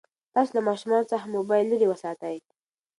تاسو له ماشومانو څخه موبایل لرې وساتئ.